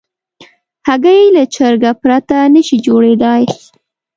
هګۍ له چرګه پرته نشي جوړېدای.